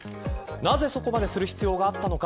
なぜそこまでする必要があったのか。